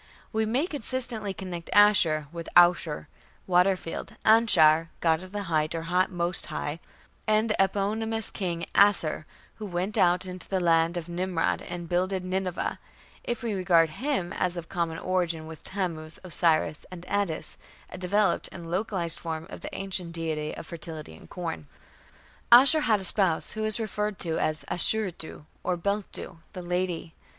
We may consistently connect Ashur with Aushar, "water field", Anshar, "god of the height", or "most high", and with the eponymous King Asshur who went out on the land of Nimrod and "builded Nineveh", if we regard him as of common origin with Tammuz, Osiris, and Attis a developed and localized form of the ancient deity of fertility and corn. Ashur had a spouse who is referred to as Ashuritu, or Beltu, "the lady".